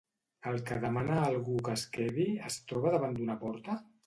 El que demana a algú que es quedi es troba davant d'una porta?